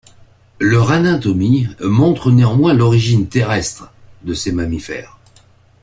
Leur anatomie montre néanmoins l'origine terrestre de ces mammifères.